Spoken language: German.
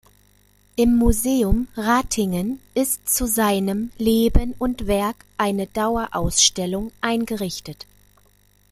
Im Museum Ratingen ist zu seinem Leben und Werk eine Dauerausstellung eingerichtet.